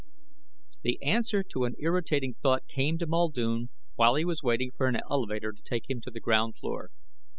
The answer to an irritating thought came to Muldoon while he was waiting for an elevator to take him to the ground floor.